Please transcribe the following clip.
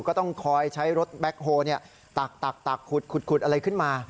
ก็ต้องคอยใช้รถแบ็คโฮลตักขุดอะไรขึ้นมา